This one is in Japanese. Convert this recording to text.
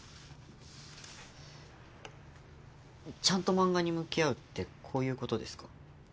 ちゃんと漫画に向き合うってこういうことですか？